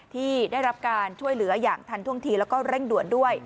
ที่ได้รับการช่วยเหลืออย่างทันท่วงทีแล้วก็เร่งด่วนด้วย